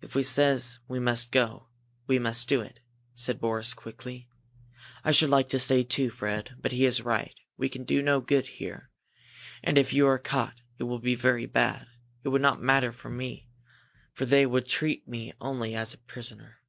"If he says we must go, we must do it," said Boris, quickly. "I should like to stay, too, Fred, but he is right. We can do no good here, and if you are caught it will be very bad. It would not matter with me, for they would only treat me as a prisoner."